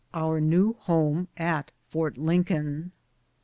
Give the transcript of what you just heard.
OUK NEW HOME AT FORT LINCOLN.